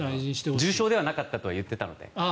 重傷ではなかったと言ってたので。